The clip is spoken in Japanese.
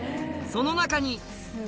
その中に。